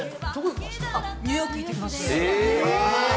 ニューヨーク、行ってきます。